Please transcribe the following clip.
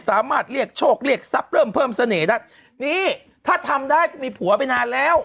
สามารถเรียกโชคเรียกทรัพย์เริ่มเพิ่มเสน่ห์ได้นี่ถ้าทำได้ก็มีผัวไปนานแล้ว